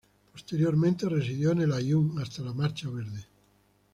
Posteriormente residió en El Aaiún hasta la Marcha Verde.